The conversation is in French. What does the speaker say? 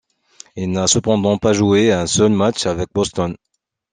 Il n'a cependant pas joué un seul match avec Boston.